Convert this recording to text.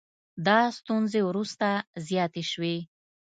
دا ستونزې وروسته زیاتې شوې